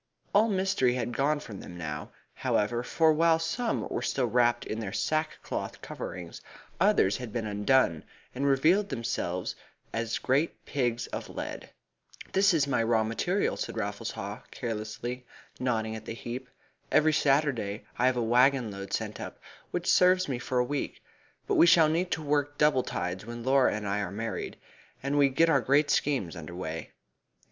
All mystery had gone from them now, however, for while some were still wrapped in their sackcloth coverings, others had been undone, and revealed themselves as great pigs of lead. "There is my raw material," said Raffles Haw carelessly, nodding at the heap. "Every Saturday I have a waggon load sent up, which serves me for a week, but we shall need to work double tides when Laura and I are married, and we get our great schemes under way.